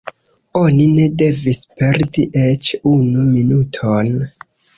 Oni ne devis perdi eĉ unu minuton.